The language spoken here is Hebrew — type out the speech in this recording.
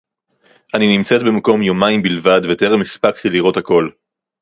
אני נמצאת במקום יומיים בלבד וטרם הספקתי לראות הכול